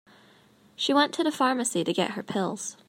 She went to the pharmacy to get her pills.